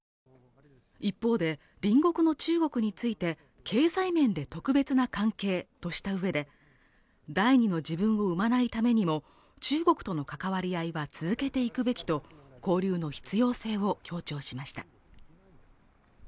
一方で、隣国の中国について経済面で特別な関係としたうえで第二の自分を生まないためにも中国との関わり合いは続けていくべきと交流の必要性を強調しました。